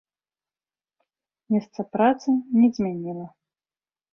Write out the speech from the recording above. Месца працы не змяніла.